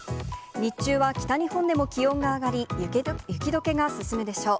日中は北日本でも気温が上がり、雪どけが進むでしょう。